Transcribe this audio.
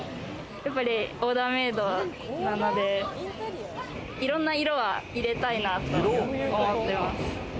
やっぱりオーダーメイドなのでいろんな色を入れたいなと思ってます。